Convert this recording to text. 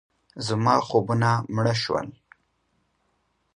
زما خوبونه مړه شول.